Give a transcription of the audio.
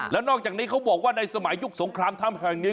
แล้วนอกจากนี้เขาบอกว่าในสมัยยุคสงครามถ้ำแห่งนี้